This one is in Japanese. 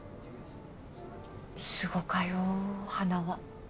すごかよ花は。